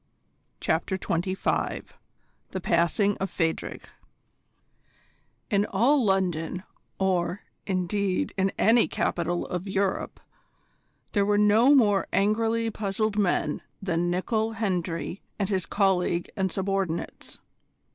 CHAPTER XXV THE PASSING OF PHADRIG In all London, or, indeed, in any capital of Europe, there were no more angrily puzzled men than Nicol Hendry and his colleague and subordinates.